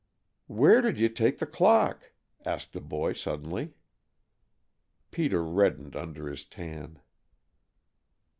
"Where did you take the clock?" asked the boy suddenly. Peter reddened under his tan.